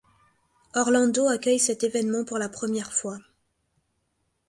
Orlando accueille cet évènement pour la première fois.